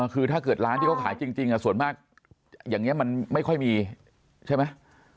คือถ้าเกิดร้านที่เขาขายจริงส่วนมากอย่างนี้มันไม่ค่อยมีใช่ไหม